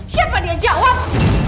siapa dia jawab